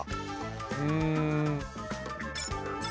うん。